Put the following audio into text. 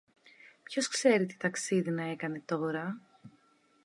Ποιος ξέρει τι ταξίδι να έκανε τώρα